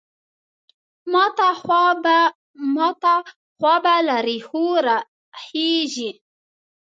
ماته خوا به له رېښو راخېژي.